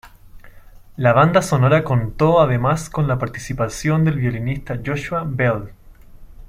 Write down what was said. La banda sonora contó además con la participación del violinista Joshua Bell.